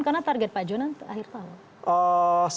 karena target pak yonan akhir tahun